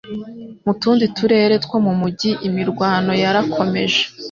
Mu tundi turere two mu mujyi imirwano yarakomeje